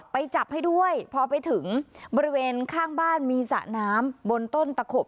ไปจับให้ด้วยพอไปถึงบริเวณข้างบ้านมีสระน้ำบนต้นตะขบ